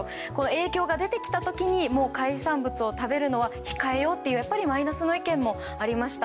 影響が出てきた時に海産物を食べるのは控えようというマイナスな意見もありました。